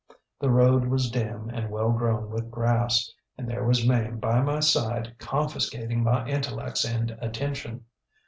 The road was dim and well grown with grass; and there was Mame by my side confiscating my intellects and attention.